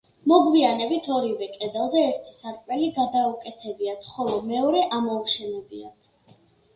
მოგვიანებით ორივე კედელზე ერთი სარკმელი გადაუკეთებიათ, ხოლო მეორე ამოუშენებიათ.